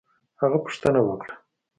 هغه پوښتنه وکړه